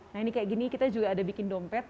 nah ini kayak gini kita juga ada bikin dompet